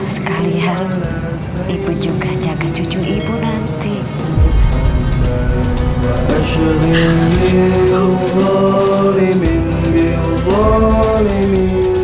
sekalian ibu juga jaga cucu ibu nanti boleh